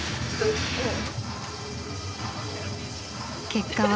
結果は。